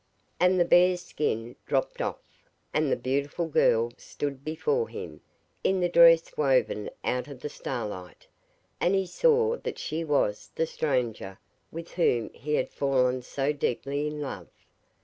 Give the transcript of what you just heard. And the bear's skin dropped off, and the beautiful girl stood before him, in the dress woven out of the star light, and he saw that she was the stranger with whom he had fallen so deeply in love.